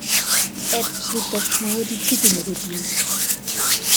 Ed" schrieb das Duo die Titelmelodien.